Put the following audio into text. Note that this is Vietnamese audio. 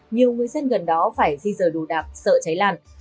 nhiều người dân gần đó phải di dời đù đạp sợ cháy lan